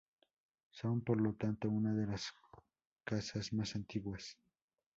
Son por lo tanto una de las casas más antiguas.